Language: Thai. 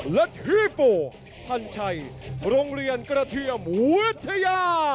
และพี่โฟพันชัยโรงเรียนกระเทียมวิทยา